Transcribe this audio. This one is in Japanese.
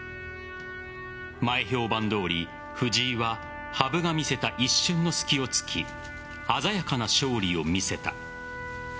前評判どおり、藤井は羽生が見せた一瞬の隙を突き鮮やかな勝利を見せた。